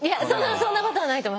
そんなことはないと。